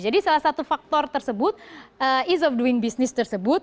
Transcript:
jadi salah satu faktor tersebut is of doing business tersebut